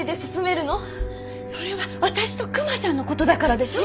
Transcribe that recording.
それは私とクマさんのことだからでしょ？